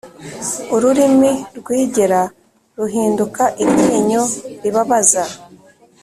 ururimi rwigera ruhinduka iryinyo ribabaza